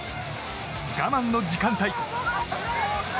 我慢の時間帯。